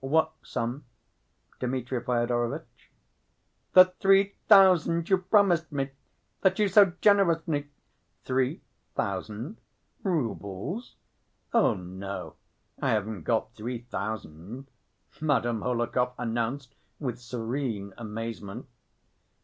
"What sum, Dmitri Fyodorovitch?" "The three thousand you promised me ... that you so generously—" "Three thousand? Roubles? Oh, no, I haven't got three thousand," Madame Hohlakov announced with serene amazement.